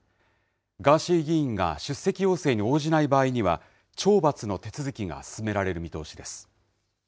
ガーシー議員が出席要請に応じない場合には、懲罰の手続きが進められる見通しです。